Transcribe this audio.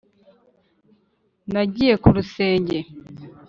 nagiye ku rusenge